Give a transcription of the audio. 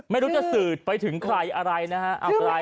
ไม่รู้จะสื่อไปถึงใครอะไรนะฮะ